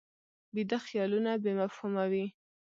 ویده خیالونه بې مفهومه وي